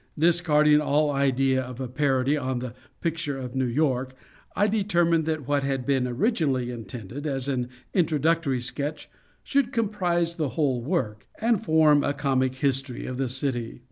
Discarding all idea of a parody on the "Picture of New York," I determined that what had been originally intended as an introductory sketch should comprise the whole work, and form a comic history of the city.